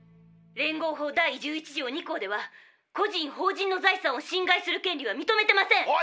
連合法第１１条２項では個人・法人の財産をしん害する権利は認めてません。